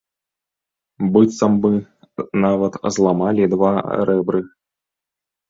Быццам бы, нават зламалі два рэбры.